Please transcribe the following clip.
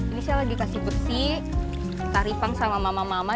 ini saya lagi kasih bersih teripang sama mama mama